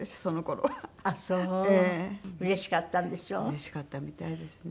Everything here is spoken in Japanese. うれしかったみたいですね。